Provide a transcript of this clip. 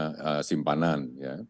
karena itu sudah simpanan